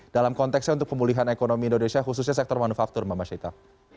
dalam konteksnya untuk pemulihan ekonomi indonesia khususnya sektor manufaktur mbak mas hita